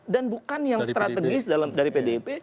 dan bukan yang strategis dari pdip